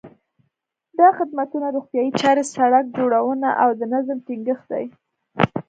دا خدمتونه روغتیايي چارې، سړک جوړونه او د نظم ټینګښت دي.